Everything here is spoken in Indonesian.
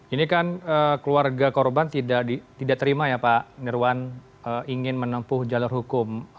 ini kan keluarga korban tidak terima ya pak nirwan ingin menempuh jalur hukum